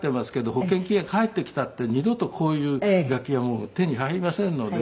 保険金が返ってきたって二度とこういう楽器はもう手に入りませんので。